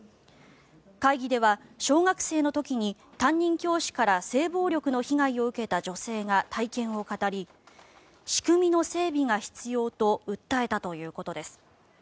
会議では小学生の時に担任教師から性暴力の被害を受けた女性が体験を語り仕組みの整備が必要と訴えたということです。